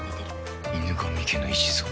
「『犬神家の一族』」